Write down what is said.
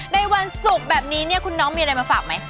ในวันศุกร์แบบนี้เนี่ยคุณน้องมีอะไรมาฝากไหม